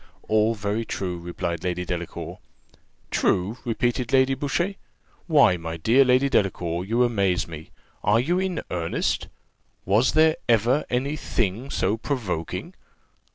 "All very true," replied Lady Delacour. "True!" repeated Lady Boucher: "why, my dear Lady Delacour, you amaze me! Are you in earnest? Was there ever any thing so provoking?